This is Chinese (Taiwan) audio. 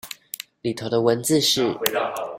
裡頭的文字是